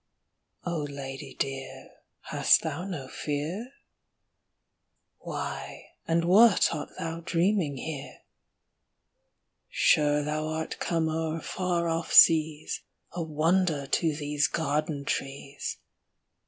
Oh, lady dear, hast thou no fear? Why and what art thou dreaming here? Sure thou art come o'er far off seas, A wonder to these garden trees!